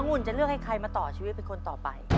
หุ่นจะเลือกให้ใครมาต่อชีวิตเป็นคนต่อไป